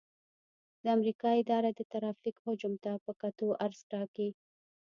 د امریکا اداره د ترافیک حجم ته په کتو عرض ټاکي